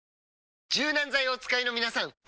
柔軟剤をお使いのみなさん！